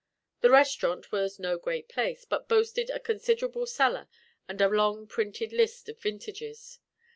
The restaurant was no great place, but boasted a considerable cellar and a long printed list of vintages.